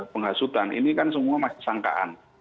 penghasutan ini kan semua masih sangkaan